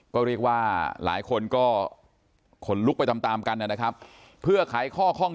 ก็เรียกว่าหลายคนก็ขนลุกไปตามตามกันนะครับเพื่อขายข้อข้อง